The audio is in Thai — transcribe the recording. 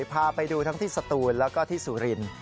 พาไปดูทั้งที่สตูนแล้วก็ที่สุรินทร์